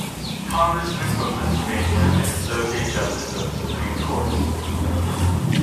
Congressman from Pennsylvania and Associate Justice of the Supreme Court.